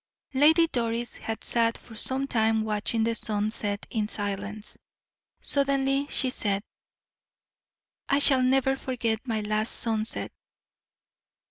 Lady Doris had sat for some time watching the sun set in silence. Suddenly she said: "I shall never forget my last sunset."